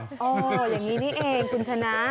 อย่างนี้นี่เองคุณชนะ